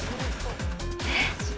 えっ？